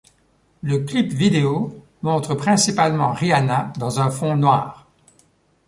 Le clip vidéo montre principalement Rihanna dans un fond noir.